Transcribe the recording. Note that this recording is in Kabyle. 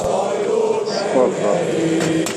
Sfeḍ.